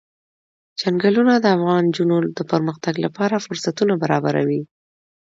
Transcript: چنګلونه د افغان نجونو د پرمختګ لپاره فرصتونه برابروي.